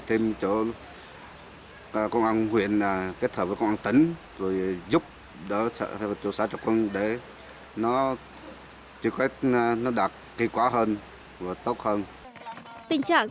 tình trạng khai thác đào đáy vàng trái phép